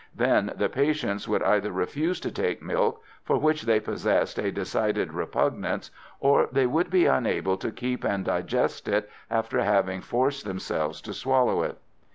Then the patients would either refuse to take milk, for which they possessed a decided repugnance, or they would be unable to keep and digest it after having forced themselves to swallow it.